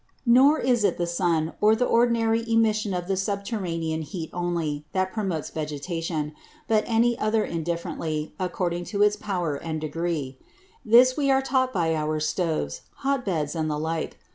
Nor is it the Sun, or the ordinary emission of the Subterranean Heat only, that promotes Vegetation; but any other indifferently, according to its Power and Degree: This we are taught by our Stoves, hot Beds, and the like.